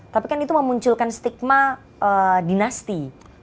tapi kan itu memunculkan stigma dinasti